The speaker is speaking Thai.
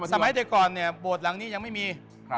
สมัยแต่ก่อนเนี่ยโบสถ์หลังนี้ยังไม่มี